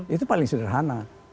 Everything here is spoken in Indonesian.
itu paling sederhana